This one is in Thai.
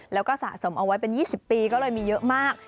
แล้วก็สะสมเอาไว้เป็น๒๐ปีก็เลยมีเยอะมาก